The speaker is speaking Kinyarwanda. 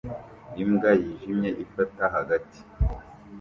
Imbwa yijimye ifata hagati